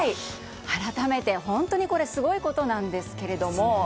改めて本当にこれすごいことなんですけれども。